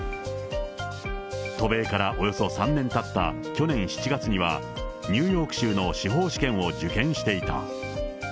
渡米からおよそ３年たった去年７月には、ニューヨーク州の司法試験を受験していた。